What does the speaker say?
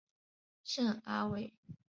圣阿维。